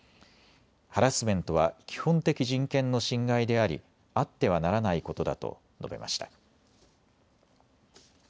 ハラスメントは基本的人権の侵害であり、あってはならないことだと述べました。